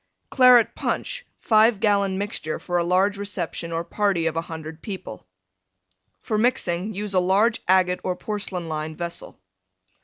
CLARET PUNCH (5 gallon mixture for a large reception or party of 100 people) For mixing use a large agate or porcelain lined vessel.